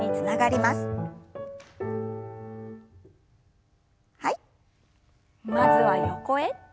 まずは横へ。